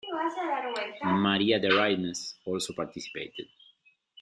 Maria Deraismes also participated.